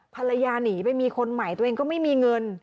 ภรรยาหนีไปมีคนใหม่ตัวเองก็ไม่มีเงิน